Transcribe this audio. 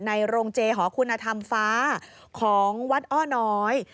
โรงเจหอคุณธรรมฟ้าของวัดอ้อน้อย